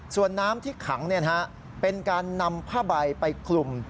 ส่วนน้ำที่ขังเป็นการนำผ้าใบไปคลุม